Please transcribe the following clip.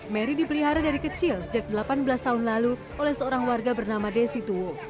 mary dipelihara dari kecil sejak delapan belas tahun lalu oleh seorang warga bernama desi tuwo